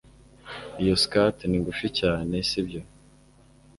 iyo skirt ni ngufi cyane, sibyo